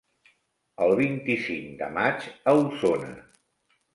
El vint-i-cinc de maig a Osona.